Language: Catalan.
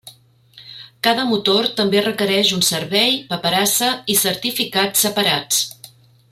Cada motor també requereix un servei, paperassa i certificats separats.